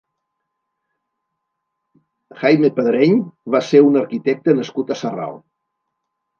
Jaime Pedreny va ser un arquitecte nascut a Sarral.